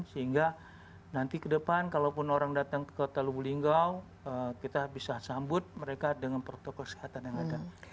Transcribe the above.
sehingga nanti ke depan kalaupun orang datang ke kota lubu linggau kita bisa sambut mereka dengan protokol kesehatan yang ada